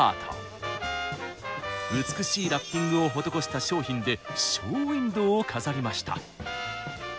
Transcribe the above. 美しいラッピングを施した商品でショーウインドーを飾りました。